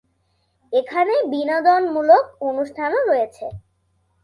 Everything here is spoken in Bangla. এখানে বিনোদনমূলক অনুষ্ঠানও রয়েছে।